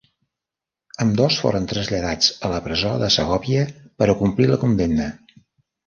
Ambdós foren traslladats a la presó de Segòvia per a complir la condemna.